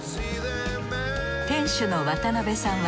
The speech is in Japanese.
店主の渡邊さんは